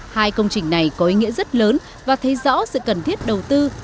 hai công trình này có ý nghĩa rất lớn và thấy rõ sự cần thiết đầu tư